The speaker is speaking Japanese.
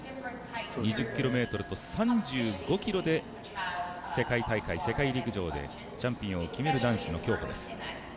２０ｋｍと３５ｋｍで、世界大会世界陸上で突破を決める男子の競歩です。